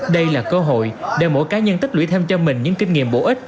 đây là cơ hội để mỗi cá nhân tích lũy thêm cho mình những kinh nghiệm bổ ích